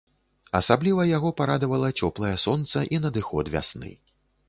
Асабліва яго парадавала цёплае сонца і надыход вясны.